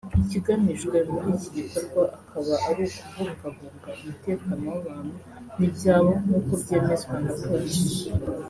Ikigamijwe muri iki gikorwa akaba ari ukubungabunga umutekano w’abantu n’ibyabo nk’uko byemezwa na polisi